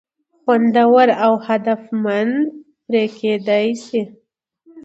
خوندور او هدفمند پر کېدى شي.